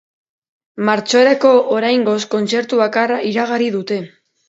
Martxorako, oraingoz, kontzertu bakarra iragarri dute.